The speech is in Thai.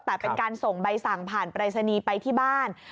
แต่เป็นการส่งใบสั่งผ่านปรายศนีย์ไปที่บ้าน